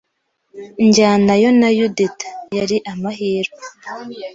Njyanayo na Yudita. Yari amahirwe